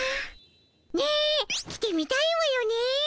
ね着てみたいわよね。